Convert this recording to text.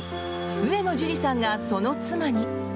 上野樹里さんがその妻に。